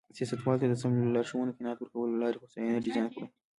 سیاستوالو ته د سمو لارښوونو قناعت ورکولو له لارې هوساینه ډیزاین کړو.